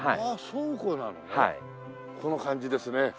この感じですね。